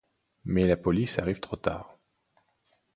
Mais la police arrive trop tard.